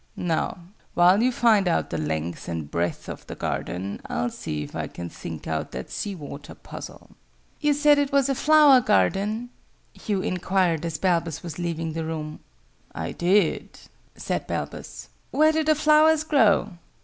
Now, while you find out the length and breadth of the garden, I'll see if I can think out that sea water puzzle." "You said it was a flower garden?" Hugh inquired, as Balbus was leaving the room. "I did," said Balbus. "Where do the flowers grow?"